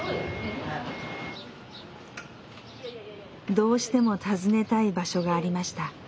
どうしても訪ねたい場所がありました。